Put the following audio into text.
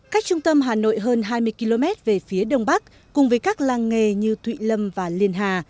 cách trung tâm hà nội hơn hai mươi km về phía đông bắc cùng với các làng nghề như thụy lâm và liên hà